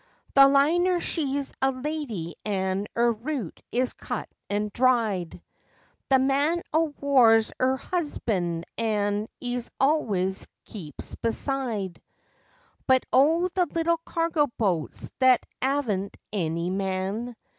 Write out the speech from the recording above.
The Liner she's a lady, and 'er route is cut an' dried; The Man o' War's 'er 'usband, an' 'e always keeps beside; But, oh, the little cargo boats that 'aven't any man!